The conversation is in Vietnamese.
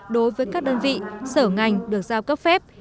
đối với các đơn vị sở ngành được giao cấp phép